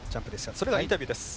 それではインタビューです。